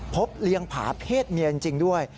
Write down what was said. เลี้ยงผาเพศเมียจริงด้วย